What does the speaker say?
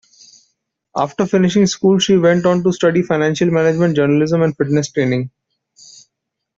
After finishing school she went on to study financial management, journalism and fitness training.